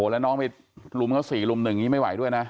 แล้วน้องมีรุมก็สี่รุมหนึ่งไม่ไหวด้วยนะ